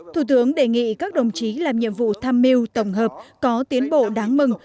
thủ tướng đề nghị các đồng chí làm nhiệm vụ tham mưu tổng hợp có tiến bộ đáng mừng